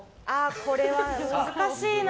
これは難しいな。